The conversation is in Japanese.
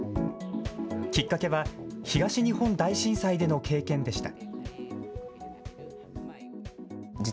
きっかけは東日本大震災での経験でした。